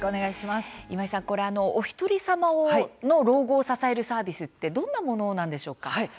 今井さん、おひとりさまの老後を支えるサービスというのはどんなものなんでしょうか。